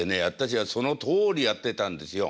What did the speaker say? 私はそのとおりやってたんですよ。